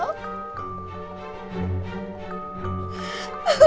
nanti gue jalan